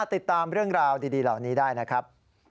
ติดตามเรื่องราวดีเหล่านี้ได้นะครับ